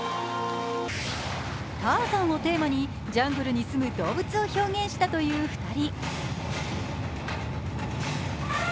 ターザンをテーマにジャングルに住む動物を表現したという２人。